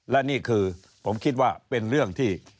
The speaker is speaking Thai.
และนี่คือผมคิดว่าเป็นเรื่องที่